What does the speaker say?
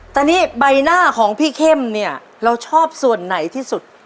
แต่นี่ใบหน้าของพี่เข้มเนี่ยเราชอบส่วนไหนที่สุด